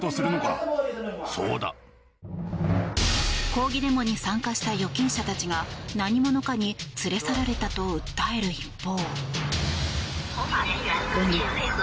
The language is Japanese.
抗議デモに参加した預金者たちが何者かに連れ去られたと訴える一方。